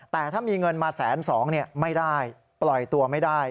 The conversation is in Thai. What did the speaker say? แต่ถ้ามีเงินมาแสนสองไม่ได้ปล่อยตัวไม่ได้